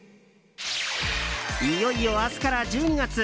いよいよ明日から１２月。